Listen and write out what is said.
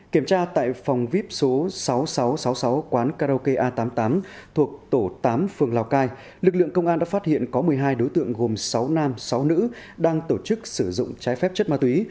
kiểm tra tại phòng vip số sáu nghìn sáu trăm sáu mươi sáu quán karaoke a tám mươi tám thuộc tổ tám phường lào cai lực lượng công an đã phát hiện có một mươi hai đối tượng gồm sáu nam sáu nữ đang tổ chức sử dụng trái phép chất ma túy